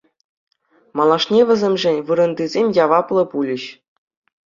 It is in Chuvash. Малашне вӗсемшӗн вырӑнтисем яваплӑ пулӗҫ.